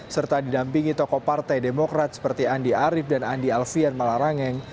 serta didampingi tokoh partai demokrat seperti andi arief dan andi alfian malarangeng